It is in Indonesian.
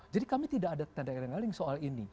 jadi kami tidak ada tanda tanda yang ngaling soal ini